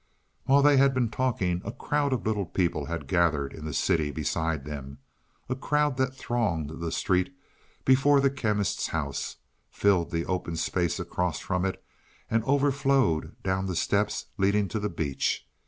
While they had been talking a crowd of little people had gathered in the city beside them a crowd that thronged the street before the Chemist's house, filled the open space across from it and overflowed down the steps leading to the beach.